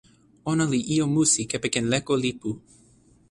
ona li ijo musi kepeken leko lipu.